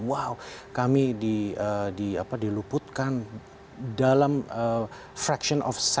wow kami diluputkan dalam fraction of